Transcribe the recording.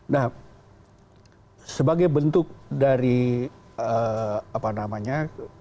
nah sebagai bentuk dari apa namanya